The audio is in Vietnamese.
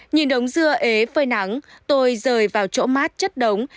nhìn đống dưa ế phơi nắng tôi rời vào chỗ mát chất đống